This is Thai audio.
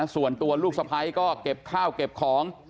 ส่วนตัวลูกสะพ้ายก็เก็บข้าวเก็บของ